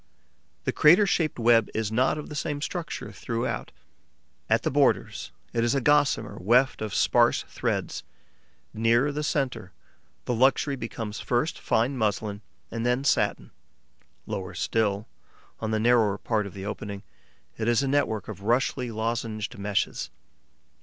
The crater shaped web is not of the same structure throughout. At the borders, it is a gossamer weft of sparse threads; nearer the centre, the texture becomes first fine muslin and then satin; lower still, on the narrower part of the opening, it is a network of roughly lozenged meshes.